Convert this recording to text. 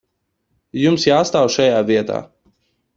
Jums jāstāv šajā vietā.